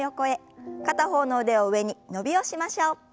片方の腕を上に伸びをしましょう。